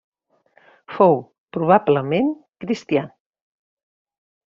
Fou probablement cristià.